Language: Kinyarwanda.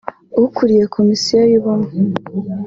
ukuriye Komisiyo y’Ubumwe